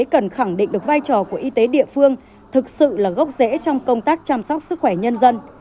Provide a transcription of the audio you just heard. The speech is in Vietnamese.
cần khẳng định được vai trò của y tế địa phương thực sự là gốc rễ trong công tác chăm sóc sức khỏe nhân dân